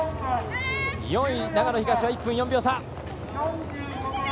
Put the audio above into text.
４位、長野東は１分４秒差。